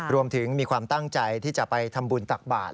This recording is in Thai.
รวมถึงมีความตั้งใจที่จะไปทำบุญตักบาตร